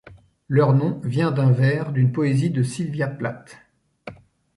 Leur nom vient d'un vers d'une poésie de Sylvia Plath.